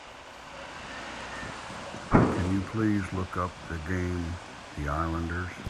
Can you please look up the game, The Islanders?